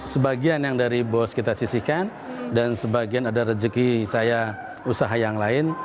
sebagian yang dari bos kita sisihkan dan sebagian ada rezeki saya usaha yang lain